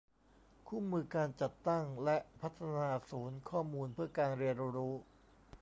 คู่มือการจัดตั้งและพัฒนาศูนย์ข้อมูลเพื่อการเรียนรู้